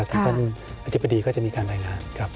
ท่านอธิบดีก็จะมีการรายงานครับ